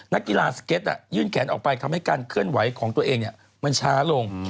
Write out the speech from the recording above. นักกีฬาสเก็ตยื่นแขนออกไปทำให้การเคลื่อนไหวของตัวเองมันช้าลง